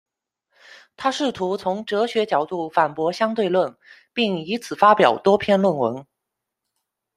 他试图从哲学角度反驳相对论，并以此发表多篇论文。